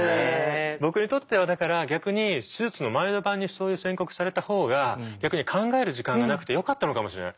僕にとってはだから逆に手術の前の晩にそういう宣告されたほうが逆に考える時間がなくてよかったのかもしれない。